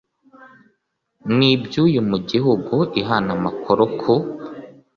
n iby uyu mu gihugu ihana amakuru ku